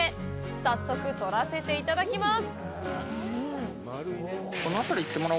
早速、取らせていただきます。